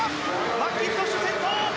マッキントッシュ、先頭。